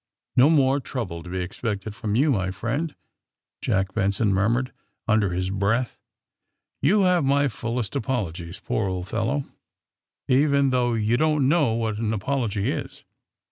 '*No more trouble to be expected from you, my friend, '' Jack Benson murmured, under his breath. ^^You have my fullest apologies, poor old fellow, even though you don't know what an apology is."